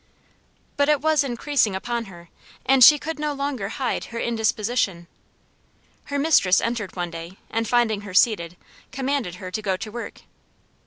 But it was increasing upon her, and she could no longer hide her indisposition. Her mistress entered one day, and finding her seated, commanded her to go to work.